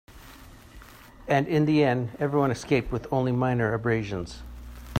And in the end, everyone escaped with only minor abrasions.